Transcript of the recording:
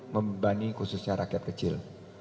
membebani khususnya rakyat kecil